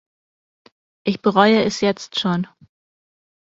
Ich bereue es jetzt schon.